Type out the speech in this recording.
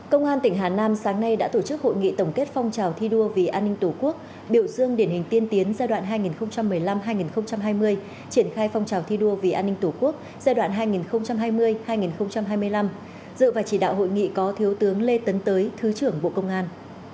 công an tỉnh hà nam sáng nay đã tổ chức hội nghị tổng kết phong trào thi đua vì an ninh tổ quốc biểu dương điển hình tiên tiến giai đoạn hai nghìn một mươi năm hai nghìn hai mươi triển khai phong trào thi đua vì an ninh tổ quốc giai đoạn hai nghìn hai mươi hai nghìn hai mươi năm dự và chỉ đạo hội nghị có thiếu tướng lê tấn tới thứ trưởng bộ công an